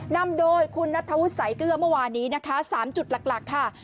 นำโดยคุณนัทธวุฒิสายเกลือเมื่อวานนี้นะคะ๓จุดหลักค่ะ